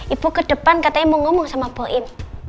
ibu ke depan katanya mau ngomong sama poin